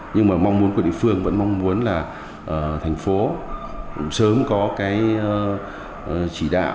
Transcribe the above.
nhưng mà mong muốn của địa phương vẫn mong muốn là thành phố sớm có cái chỉ đạo